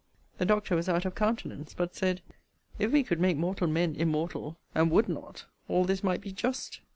The doctor was out of countenance; but said, if we could make mortal men immortal, and would not, all this might be just.